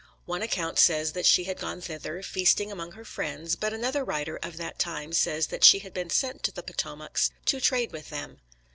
One account says that she had gone thither, feasting among her friends, but another writer of that time says that she had been sent to the Potomacs to trade with them.